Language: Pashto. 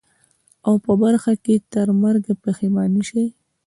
او په برخه یې ترمرګه پښېماني سي